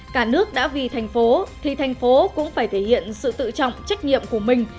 cả nước đã vì thành phố thì thành phố cũng phải thể hiện sự tự trọng trách nhiệm của mình